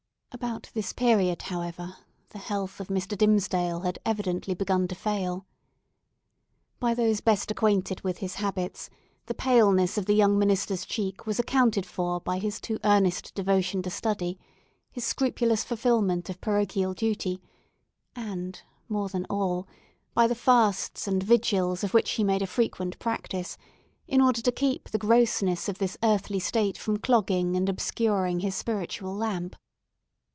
About this period, however, the health of Mr. Dimmesdale had evidently begun to fail. By those best acquainted with his habits, the paleness of the young minister's cheek was accounted for by his too earnest devotion to study, his scrupulous fulfilment of parochial duty, and more than all, to the fasts and vigils of which he made a frequent practice, in order to keep the grossness of this earthly state from clogging and obscuring his spiritual lamp.